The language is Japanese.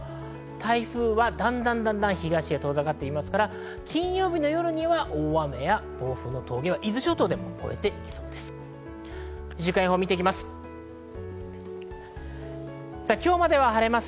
台風はだんだんと東へ遠ざかっていきますから金曜日の夜には大雨や暴風の峠は越えていきそうです。